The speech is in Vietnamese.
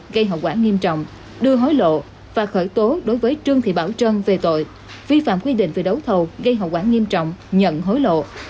gây hậu quả nghiêm trọng đưa hối lộ và khởi tố đối với trương thị bảo trân về tội vi phạm quy định về đấu thầu gây hậu quả nghiêm trọng nhận hối lộ